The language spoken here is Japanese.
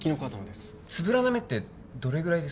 つぶらな目ってどれぐらい？